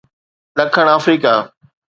ڏکڻ آمريڪا